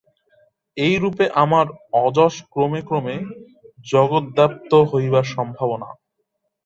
এই রূপে আমার অযশ ক্রমে ক্রমে জগদ্ব্যাপ্ত হইবার সম্ভাবনা।